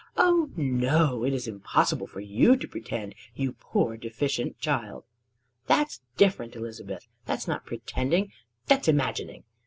Oh, no! It is impossible for you to pretend, you poor deficient child!" "That's different, Elizabeth. That's not pretending; that's imagining.